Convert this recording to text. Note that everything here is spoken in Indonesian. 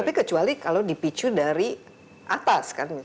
tapi kecuali kalau dipicu dari atas kan